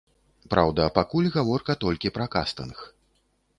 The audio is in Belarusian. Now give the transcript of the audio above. Праўда, пакуль гаворка толькі пра кастынг.